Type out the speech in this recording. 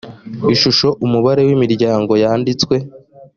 ishusho umubare w imiryango yanditswe